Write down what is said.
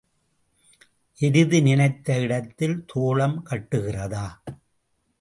எருது நினைத்த இடத்தில் தோழம் கட்டுகிறதா?